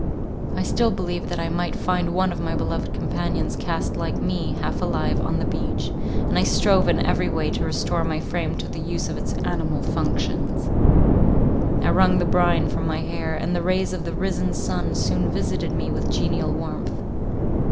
I still believed that I might find one of my beloved companions cast like me, half alive, on the beach; and I strove in every way to restore my frame to the use of its animal functions. I wrung the brine from my hair; and the rays of the risen sun soon visited me with genial warmth.